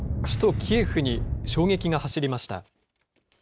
首都キエフに衝撃が走りました。